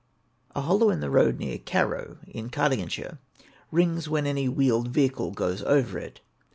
A hollow in the road near Caerau, in Cardiganshire, 'rings when any wheeled vehicle goes over it.'